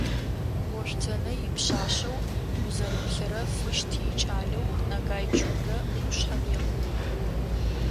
Ошъутенэ ипшъашъэу Гъузэрыплъэрэ Фыщт икӏалэу Нагайчукрэ къушъхьэм екӏугъэх.